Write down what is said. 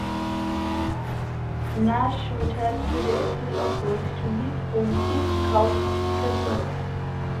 Nash retired to the Isle of Wight to his home, East Cowes Castle.